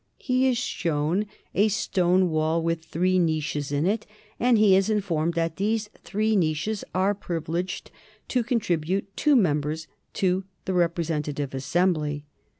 He is shown a stone wall with three niches in it, and he is informed that those three niches are privileged to contribute two members to the representative assembly.